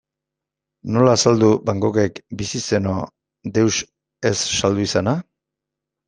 Nola azaldu Van Goghek, bizi zeno, deus ez saldu izana?